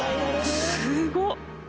すごっ！